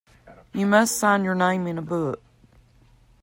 You must sign your name in a book.